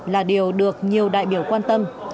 là điều được nhiều đại biểu quan tâm